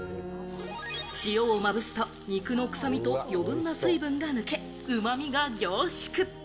塩をまぶすと、肉の臭みと余分な水分が抜け、うまみが凝縮。